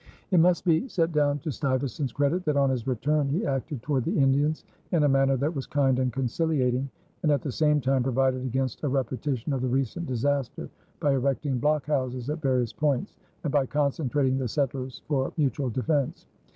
It must be set down to Stuyvesant's credit that on his return he acted toward the Indians in a manner that was kind and conciliating, and at the same time provided against a repetition of the recent disaster by erecting blockhouses at various points and by concentrating the settlers for mutual defense.